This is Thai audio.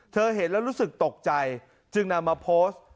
เห็นแล้วรู้สึกตกใจจึงนำมาโพสต์